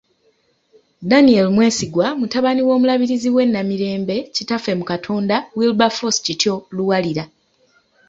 Daniel Mwesigwa mutabani w'omulabirizi w'e Namirembe, kitaffe mu Katonda Wilberforce Kityo Luwalira.